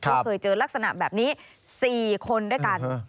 ก็เคยเจอลักษณะแบบนี้๔คนด้วยกัน